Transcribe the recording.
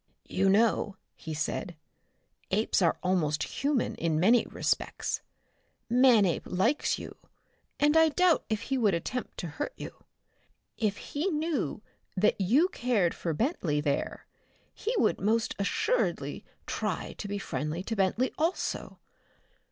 "You know," he said, "apes are almost human in many respects. Manape likes you, and I doubt if he would attempt to hurt you. If he knew that you cared for Bentley there, he would most assuredly try to be friendly to Bentley also.